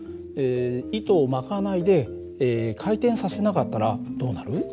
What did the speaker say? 糸を巻かないで回転させなかったらどうなる？